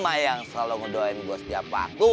emak yang selalu ngedoain gue setiap saat